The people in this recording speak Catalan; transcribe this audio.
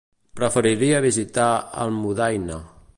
Preferiria visitar Almudaina.